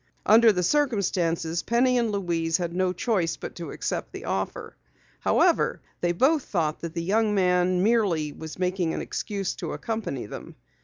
Under the circumstance, Penny and Louise had no choice but to accept the offer. However, they both thought that the young man merely was making an excuse to accompany them.